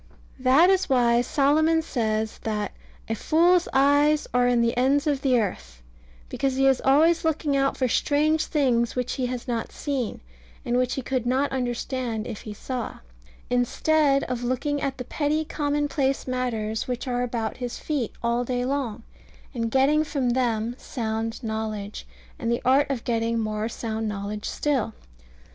That is why Solomon says that "a fool's eyes are in the ends of the earth," because he is always looking out for strange things which he has not seen, and which he could not understand if he saw; instead of looking at the petty commonplace matters which are about his feet all day long, and getting from them sound knowledge, and the art of getting more sound knowledge still.